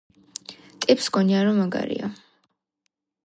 ტიპს ჰგონია რომ მაგარია